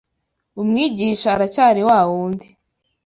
Umwigisha aracyari wa wundi